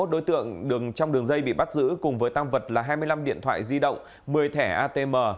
hai mươi đối tượng trong đường dây bị bắt giữ cùng với tăng vật là hai mươi năm điện thoại di động một mươi thẻ atm